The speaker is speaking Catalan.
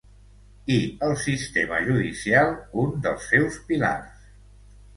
I el sistema judicial, un dels seus pilars.